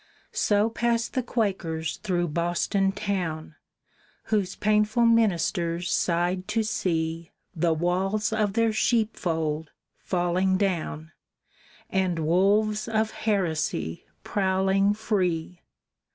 So passed the Quakers through Boston town, Whose painful ministers sighed to see The walls of their sheep fold falling down, And wolves of heresy prowling free.